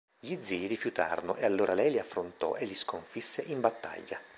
Gli zii rifiutarono e allora lei li affrontò e li sconfisse in battaglia.